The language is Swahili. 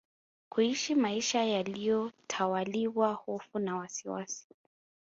kuishi maisha yaliyo tawaliwa hofu na wasiwasi